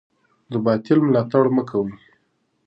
د باطل ملاتړ مه کوئ.